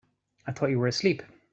I thought you were asleep.